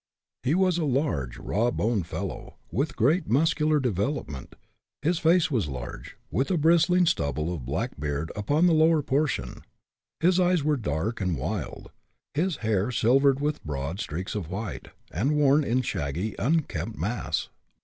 He was a large, raw boned fellow, with great muscular development; his face was large, with a bristling stubble of black beard upon the lower portion; his eyes were dark and wild, his hair silvered with broad streaks of white, and worn in a shaggy, unkempt mass.